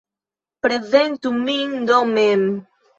Prezentu min do mem!